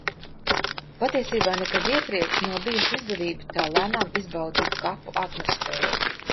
Patiesībā nekad iepriekš nav bijusi izdevība tā lēnām izbaudīt kapu atmosfēru.